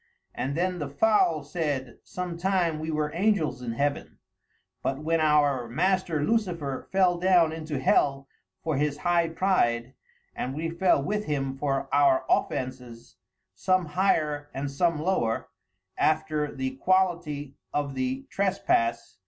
And then the foule said, some time we were angels in heaven, but when our master, Lucifer, fell down into hell for his high pride, and we fell with him for our offences, some higher and some lower, after the quality of the trespasse.